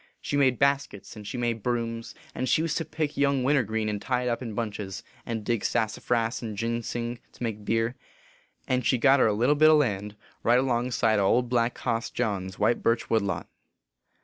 She made baskets, and she made brooms, and she used to pick young wintergreen and tie it up in bunches, and dig sassafras and ginsing to make beer ; and she got her a little bit o land, right alongside o Old Black Hoss John s white birch wood lot.